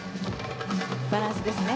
バランスですね。